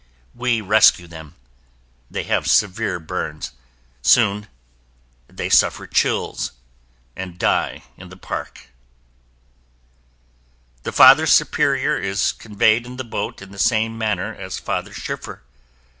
We rescue them. They have severe burns. Soon they suffer chills and die in the park. The Father Superior is conveyed in the boat in the same manner as Father Schiffer.